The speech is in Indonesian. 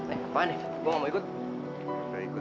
eh apaan nih gua gak mau ikut